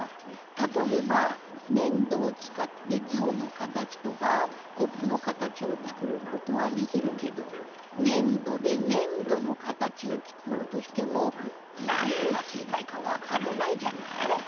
たとえばねんどをつかってぞうのかたちとかコップのかたちをつくることはできるけどねんどでねんどのかたちをつくろうとしてもなにがせいかいかわからないじゃない？